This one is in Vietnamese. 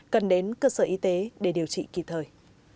cần đến cơ sở y tế để điều trị kỳ thời